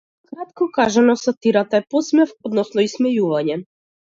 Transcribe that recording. Кратко кажано, сатирата е потсмев, односно исмејување.